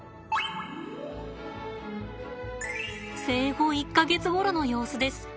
生後１か月ごろの様子です。